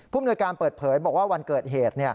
มนวยการเปิดเผยบอกว่าวันเกิดเหตุ